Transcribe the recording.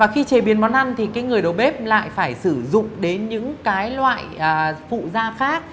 khi chế biến món ăn người đầu bếp lại phải sử dụng đến những loại phụ da khác